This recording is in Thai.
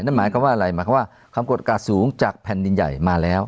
นั่นหมายความว่าอะไรหมายความว่าความกดอากาศสูงจากแผ่นดินใหญ่มาแล้ว